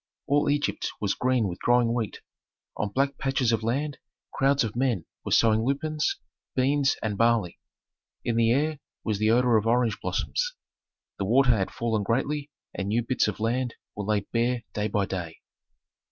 All Egypt was green with growing wheat. On black patches of land crowds of men were sowing lupines, beans, and barley. In the air was the odor of orange blossoms. The water had fallen greatly and new bits of land were laid bare day by day.